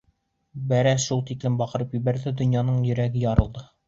Бәрәс шул тиклем баҡырып ебәрҙе, донъяның йөрәге ярылды.